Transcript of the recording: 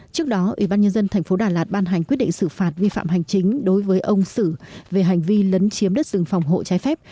trước đó ubnd tp đà lạt ban hành quyết định xử phạt vi phạm hành chính đối với ông sử về hành vi lấn chiếm đất rừng phòng hộ trái phép